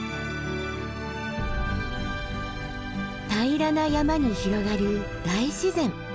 平らな山に広がる大自然。